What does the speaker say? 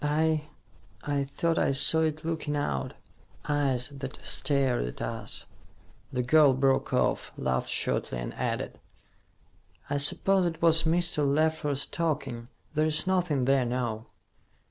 "I I thought I saw it looking out, eyes that stared at us " The girl broke off, laughed shortly, and added, "I suppose it was Mr. Leffler's talking. There's nothing there now."